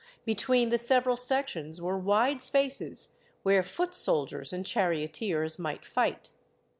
Between the several sections were wide spaces where foot soldiers and charioteers might fight.